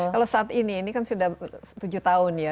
kalau saat ini ini kan sudah tujuh tahun ya